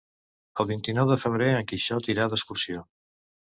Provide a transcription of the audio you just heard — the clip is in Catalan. El vint-i-nou de febrer en Quixot irà d'excursió.